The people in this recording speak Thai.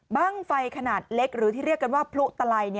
บ้างไฟขนาดเล็กหรือที่เรียกกันว่าพลุตลัย